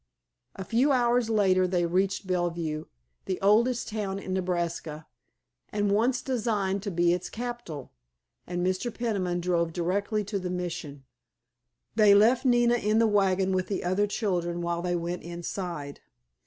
A few hours later they reached Bellevue, the oldest town in Nebraska, and once designed to be its capital, and Mr. Peniman drove directly to the Mission. They left Nina in the wagon with the other children while they went inside.